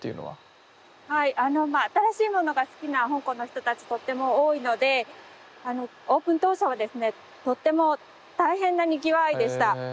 はいあのまあ新しいものが好きな香港の人たちとっても多いのでオープン当初はですねとっても大変なにぎわいでした。